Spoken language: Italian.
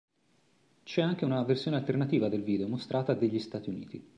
C'è anche una versione alternativa del video, mostrata degli Stati Uniti.